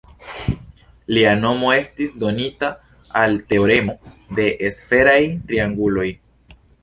Lia nomo estis donita al teoremo de sferaj trianguloj.